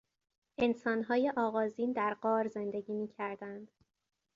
انسانهای آغازین در غار زندگی میکردند.